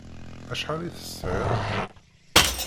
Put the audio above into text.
Acḥal i tesɛiḍ?